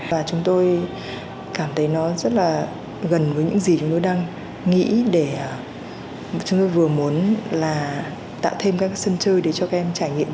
và chúng tôi cảm thấy nó rất là gần với những gì chúng tôi đang nghĩ để chúng tôi vừa muốn là tạo thêm các sân chơi để cho các em trải nghiệm